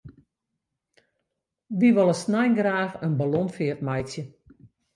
Wy wolle snein graach in ballonfeart meitsje.